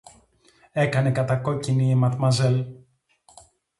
έκανε κατακόκκινη η Ματμαζέλ.